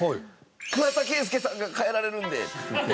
「桑田佳祐さんが帰られるんで」って言って。